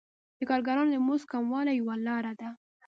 د کارګرانو د مزد کموالی یوه لاره ده